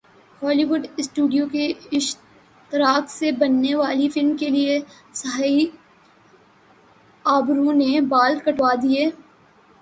Holi would studio کے اشتراک سے بننے والی فلم کیلئے سہائی ابڑو نے بال کٹوادیے